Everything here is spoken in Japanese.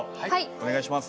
お願いします。